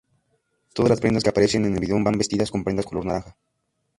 Todas las personas que aparecen en el vídeo van vestidas con prendas color naranja.